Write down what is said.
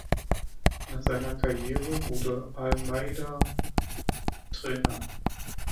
Nach seiner Karriere wurde Almeida Trainer.